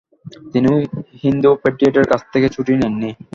তিনি হিন্দু পেট্রিয়টের কাজ থেকে ছুটি নেন নি ।